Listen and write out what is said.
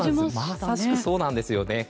まさしくそうなんです。